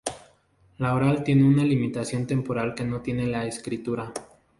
Lo oral tiene una limitación temporal que no tiene la escritura.